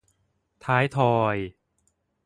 ท้ายทอย